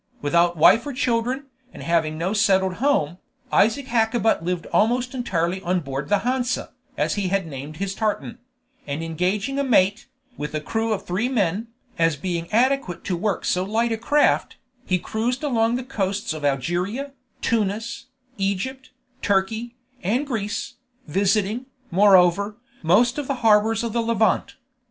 Without wife or children, and having no settled home, Isaac Hakkabut lived almost entirely on board the Hansa, as he had named his tartan; and engaging a mate, with a crew of three men, as being adequate to work so light a craft, he cruised along the coasts of Algeria, Tunis, Egypt, Turkey, and Greece, visiting, moreover, most of the harbors of the Levant.